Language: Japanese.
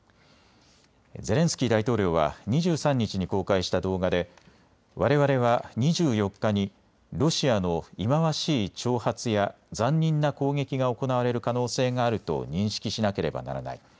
ゼレンスキー大統領は２３日に公開した動画でわれわれは２４日にロシアの忌まわしい挑発や残忍な攻撃が行われる可能性があると認識しなければならない。